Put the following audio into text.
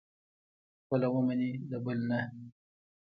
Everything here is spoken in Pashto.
خپله ومني، د بل نه.